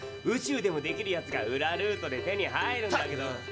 宇宙でもできるやつが裏ルートで手に入るんだけど。